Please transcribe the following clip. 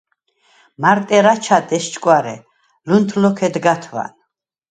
მარტ ერ აჩად, ესჭკვარე, ლუნთ ლოქ ედგა̄თვა̄ნ.